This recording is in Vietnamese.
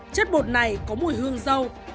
chất bột này có mùi hương dâu